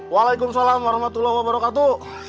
waalaikumsalam warahmatullahi wabarakatuh